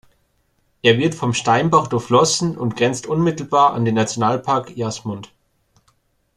Er wird vom Steinbach durchflossen und grenzt unmittelbar an den Nationalpark Jasmund.